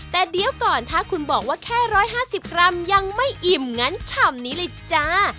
แต่เดี๋ยวก่อนถ้าคุณบอกว่าแค่๑๕๐กรัมยังไม่อิ่มงั้นชามนี้เลยจ้า